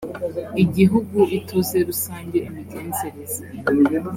igihugu ituze rusange imigenzereze